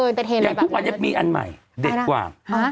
อย่างทุกวันนี้มีอันใหม่เด็ดกว่า